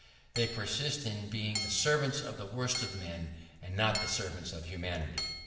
They persist in being the servants of the worst of men, and not the servants of humanity.